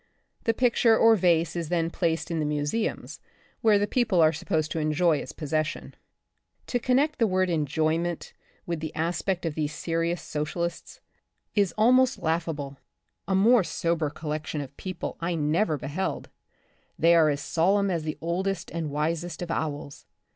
The picture or vase is then placed in the museums, where the people ar^ supposed to enjoy its pos session. To connect the word enjoyment with the aspect of these serious socialists is almost The Republic of the Future, 23 laughable. A more sober collection of people I never beheld. They are as solemn as the oldest and wisest of owls.